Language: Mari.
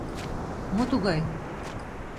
Мо тугай?!.